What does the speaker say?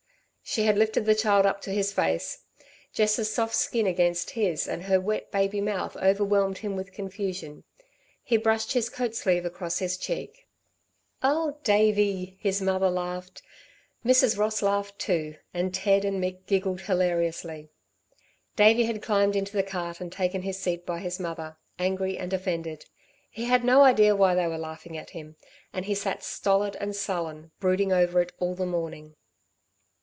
She had lifted the child up to his face. Jess's soft skin against his and her wet baby mouth overwhelmed him with confusion. He brushed his coat sleeve across his cheek. "Oh Davey!" his mother laughed. Mrs. Ross laughed too, and Ted and Mick giggled hilariously. Davey had climbed into the cart and taken his seat by his mother, angry and offended. He had no idea why they were laughing at him; and he sat stolid and sullen, brooding over it all the morning.